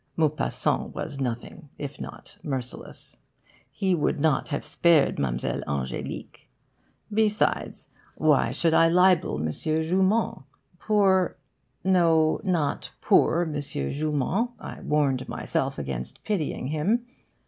Maupassant was nothing if not merciless. He would not have spared Mlle. Ange'lique. Besides, why should I libel M. Joumand? Poor no, not poor M. Joumand! I warned myself against pitying him.